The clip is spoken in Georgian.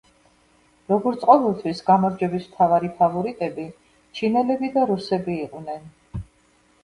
როგორც ყოველთვის გამარჯვების მთავარი ფავორიტები ჩინელები და რუსები იყვნენ.